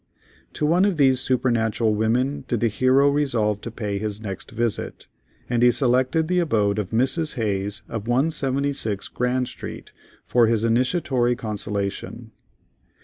To one of these supernatural women did the hero resolve to pay his next visit, and he selected the abode of Mrs. Hayes, of 176 Grand Street, for his initiatory consultation.